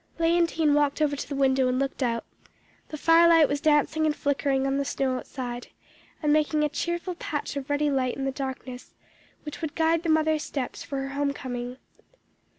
"Léontine walked over to the window and looked out; the fire light was dancing and flickering on the snow outside, and making a cheerful patch of ruddy light in the darkness, which would guide the mother's steps for her home coming.